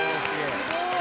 すごい。